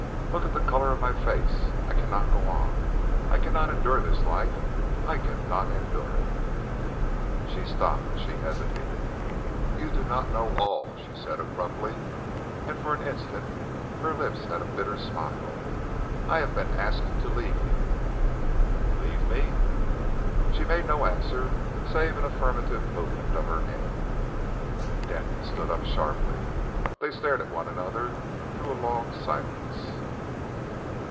Look at the colour of my face! I cannot go on. I cannot endure this life.... I cannot endure it." She stopped. She hesitated. "You do not know all," she said abruptly, and for an instant her lips had a bitter smile. "I have been asked to leave you." "Leave me!" She made no answer save an affirmative movement of the head. Denton stood up sharply. They stared at one another through a long silence.